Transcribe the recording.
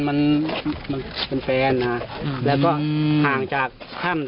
มันแตนแล้วก็ห่างจากค่ำ